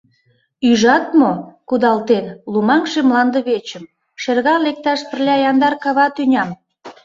Ӱжат мо, кудалтен, лумаҥше мландывечым, Шергал лекташ пырля яндар кава тӱням?!